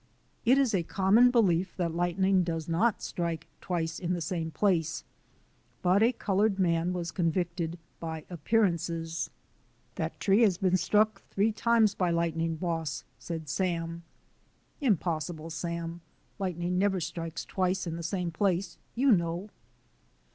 It is a common belief that lightning does not strike twice in the same place, but a coloured man was convinced by appearances. " Dat tree has been struck three times by light ning boss, ,, said Sam. " Impossible, Sam. Lightning never strikes twice in the same place, you know."